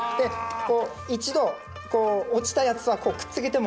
一度落ちたやつはくっつけても。